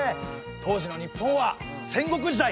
当時の日本は戦国時代。